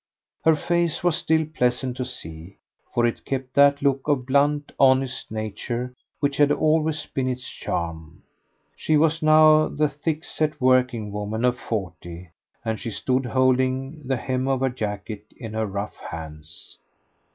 Her face was still pleasant to see, for it kept that look of blunt, honest nature which had always been its charm. She was now the thick set working woman of forty, and she stood holding the hem of her jacket in her rough hands.